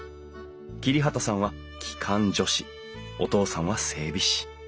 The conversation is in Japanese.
桐畑さんは機関助士お父さんは整備士。